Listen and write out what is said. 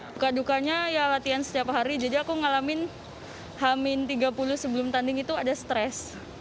duka dukanya ya latihan setiap hari jadi aku ngalamin hamin tiga puluh sebelum tanding itu ada stres